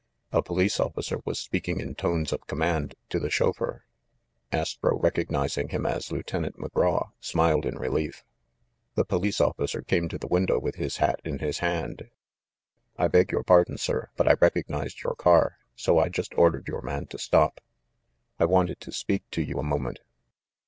A police officer was speaking in tones of command to the chauffeur. Astro, recognizing him as Lieuten ant McGraw, smiled in relief. The police officer came to the window with his hat in his hand. "I beg your pardon, sir, but I recognized your car, so I just ordered your man to stop. I wanted to speak to you a moment.